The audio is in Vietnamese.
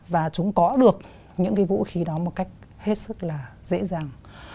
và chúng có được những cái vũ khí đó một cách hết sức là dễ dàng